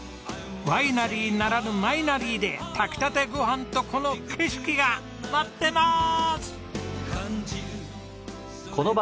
ワイナリーならぬ米ナリーで炊きたてご飯とこの景色が待ってまーす！